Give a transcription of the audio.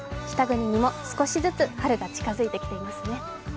北国にも少しずつ春が近づいてきていますね。